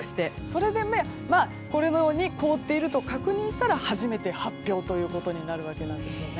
このように凍っていると確認したら初めて発表となるわけです。